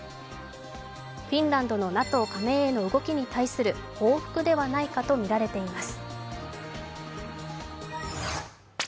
フィンランドのＮＡＴＯ加盟への動きに対する報復ではないかとみられています。